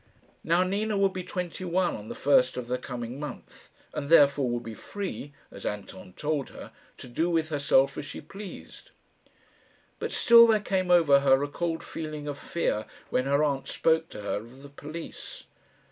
Now Nina would be twenty one on the first of the coming month, and therefore would be free, as Anton told her, to do with herself as she pleased. But still there came over her a cold feeling of fear when her aunt spoke to her of the police.